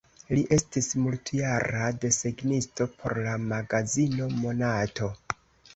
Li estis multjara desegnisto por la magazino Monato.